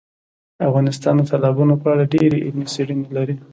افغانستان د تالابونو په اړه ډېرې علمي څېړنې لري.